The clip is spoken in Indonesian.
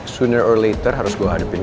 secepat mungkin harus gue ngadepin kan